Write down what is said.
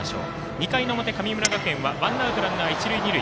２回の表、神村学園はワンアウト、一塁二塁。